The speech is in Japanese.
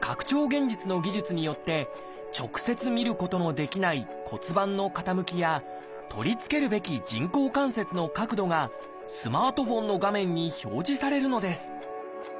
現実の技術によって直接見ることのできない骨盤の傾きや取り付けるべき人工関節の角度がスマートフォンの画面に表示されるのです。